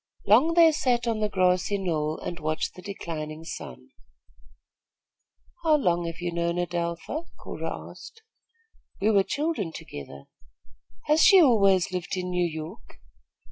Long they sat on the grassy knoll and watched the declining sun. "How long have you known Adelpha?" Cora asked. "We were children together." "Has she always lived in New York?"